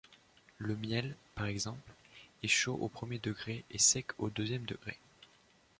Le miel, par exemple, est chaud au premier degré et sec au deuxième degré.